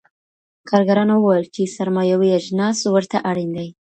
کارګرانو وویل چې سرمایوي اجناس ورته اړین دي.